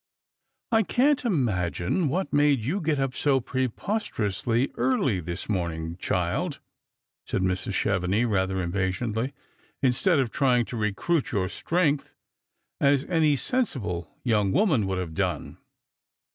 "I^can't imagine what made you get up so preposterously early this morning, child," said Mrs. Chevenix rather impa tiently, " instead of trying to recruit your strength, as any sensible young woman would have done.